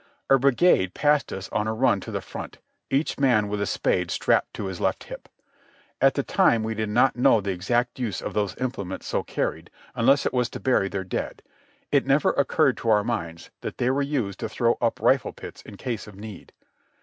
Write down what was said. A brigade passed us on a run to the front, each man with a spade strapped to his left hip. At that time we did not know the exact use of those implements so carried, unless it was to bury their dead ; it never occurred to our minds that they were used to throw up rifle pits in case of need.